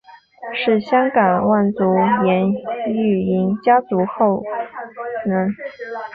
是香港望族颜玉莹家族的后人。